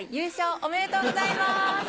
おめでとうございます！